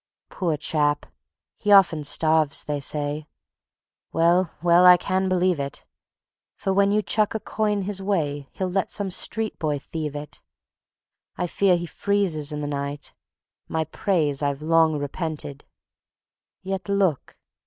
Poor chap! he often starves, they say; Well, well, I can believe it; For when you chuck a coin his way He'll let some street boy thieve it. I fear he freezes in the night; My praise I've long repented, Yet look!